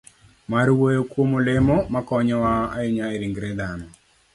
mar wuoyo kuom olemo makonyowa ahinya e ringre dhano,